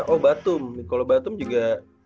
oh batum kalau batum juga